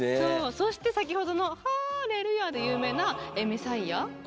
そして先ほどの「ハレルヤ」で有名な「メサイア」を。